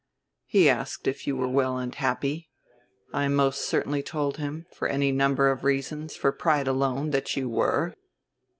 "He asked if you were well and happy. I most certainly told him, for any number of reasons, for pride alone, that you were."